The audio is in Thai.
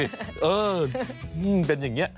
เออ๑๖สิเป็นอย่างนี้